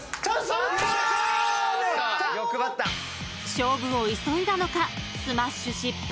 ［勝負を急いだのかスマッシュ失敗］